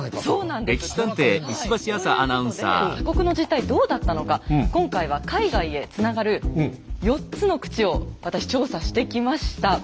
ということで鎖国の実態どうだったのか今回は海外へつながる４つの口を私調査してきました。